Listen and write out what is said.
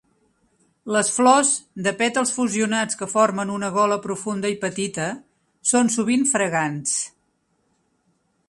Les flors, de pètals fusionats que formen una gola profunda i petita, són sovint fragants.